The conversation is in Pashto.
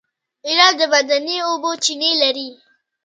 ایران د معدني اوبو چینې لري.